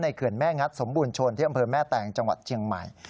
เขื่อนแม่งัดสมบูรณชนที่อำเภอแม่แตงจังหวัดเชียงใหม่